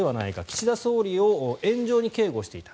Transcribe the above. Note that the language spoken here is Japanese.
岸田総理を円状に警護していた。